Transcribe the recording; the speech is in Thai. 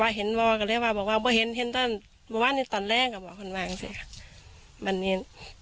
ว่าเห็นว่าก็เลยว่ามันเห็นตอนแรกก็บอกคนว่างสิบางนี้